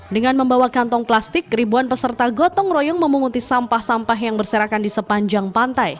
dengan membawa kantong plastik ribuan peserta gotong royong memunguti sampah sampah yang berserakan di sepanjang pantai